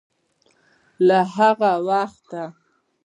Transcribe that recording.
له هغه وخته